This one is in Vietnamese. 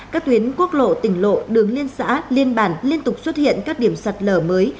các tuyến quốc lộ tỉnh lộ đường liên xã liên bản liên tục xuất hiện các điểm sạt lở mới